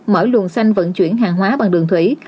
mở luồng xanh vận chuyển hàng hóa bằng đường thủy